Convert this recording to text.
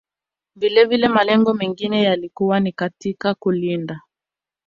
Vilevile malengo mengine yalikuwa ni katika kulinda